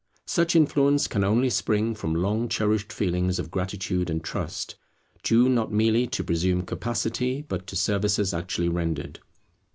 Such influence can only spring from long cherished feelings of gratitude and trust, due not merely to presumed capacity but to services actually rendered.